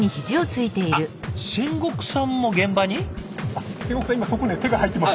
あっ仙石さんも現場に？